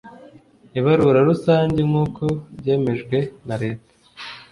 ibarura rusange nk uko byemejwe na leta